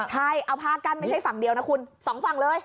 ใช่เอาผ้ากั้นไม่ใช่ฝั่งเดียวนะคุณสองฝั่งเลย